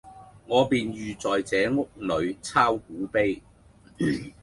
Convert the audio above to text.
我便寓在這屋裏鈔古碑。